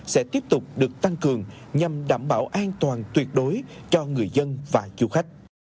sẽ tiếp tục được tăng cường nhằm đảm bảo an toàn tuyệt đối cho người dân và du khách